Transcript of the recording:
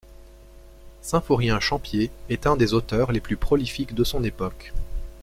Symphorien Champier est un des auteurs les plus prolifiques de son époque.